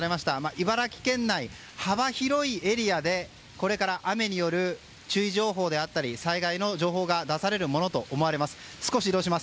茨城県内幅広いエリアでこれから、雨による注意情報であったり災害の情報が出されるものと思われます。